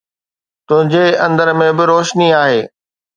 تنهنجي اندر ۾ به روشني آهي